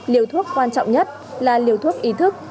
liều thuốc quan trọng nhất là liều thuốc ý thức